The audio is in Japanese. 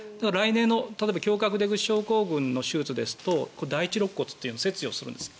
例えば胸郭出口症候群の手術だとすると第一ろっ骨というのを切除するんです。